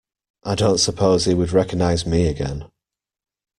I don’t suppose he would recognise me again.